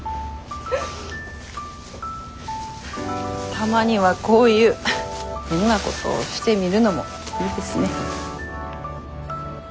たまにはこういう変なことしてみるのもいいですね。